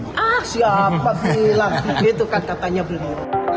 ah siapa bilang itu kan katanya beliau